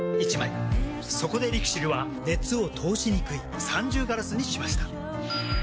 そこでＬＩＸＩＬは熱を通しにくい三重ガラスにしました。